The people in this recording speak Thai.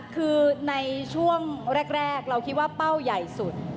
คือในช่วงแรกเราคิดว่าเป้าใหญ่สุด